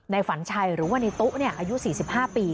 ฝันชัยหรือว่าในตู้อายุ๔๕ปี